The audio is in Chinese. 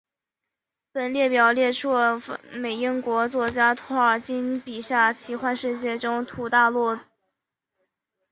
本列表列出了英国作家托尔金笔下奇幻世界中土大陆里的半兽人角色。